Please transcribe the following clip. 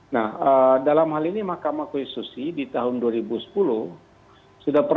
nah dalam hal ini mahkamah konstitusi di tahun dua ribu sepuluh sudah pernah memutuskan dalam putusan nomor satu ratus tiga puluh delapan